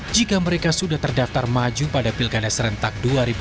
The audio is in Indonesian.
jika mereka sudah terdaftar maju pada pilkada serentak dua ribu dua puluh